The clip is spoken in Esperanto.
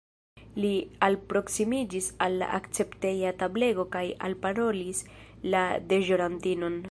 Li alproksimiĝis al la akcepteja tablego kaj alparolis la deĵorantinon.